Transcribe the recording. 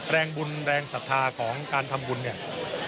แรงบุญแรงศรัทธาของการทำบุญเนี่ย